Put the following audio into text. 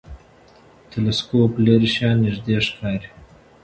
ټلسکوپ لرې شیان نږدې ښکاري.